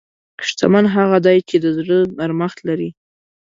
شتمن هغه دی چې د زړه نرمښت لري.